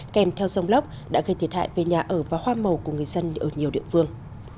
kèm theo dòng lốc đã gây thiệt hại về nhà ở và hoa màu của người dân ở nhiều địa phương